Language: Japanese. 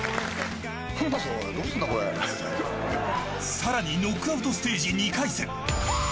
さらにノックアウトステージ２回戦。